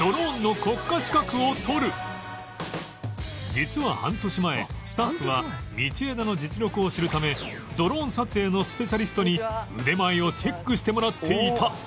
実は半年前スタッフは道枝の実力を知るためドローン撮影のスペシャリストに腕前をチェックしてもらっていた